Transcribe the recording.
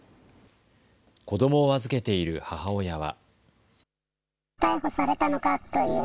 子どもを預けている母親は。